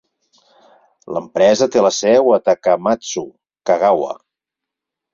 L'empresa té la seu a Takamatsu (Kagawa).